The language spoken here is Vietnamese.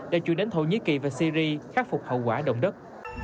đã chuyển đến thổ nhĩ kỳ và syri khắc phục hậu quả động đất